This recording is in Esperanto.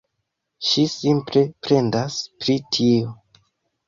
Ŝi simple plendas pri tio.